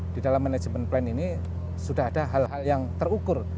di dalam manajemen plan ini sudah ada hal hal yang terukur